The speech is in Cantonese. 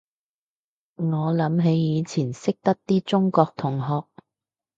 我諗起以前識得啲中國同學